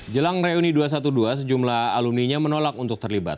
jelang reuni dua ratus dua belas sejumlah alumninya menolak untuk terlibat